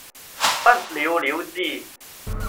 不了了之